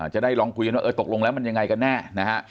จะได้ลองคุยกันว่าเออตกลงแล้วมันยังไงกันแน่นะฮะ